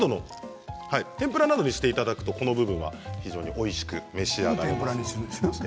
天ぷらなどにしていただくとこの部分は非常においしく召し上がれます。